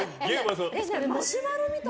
これマシュマロみたい。